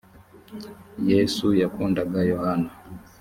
yesu yakundaga yohana.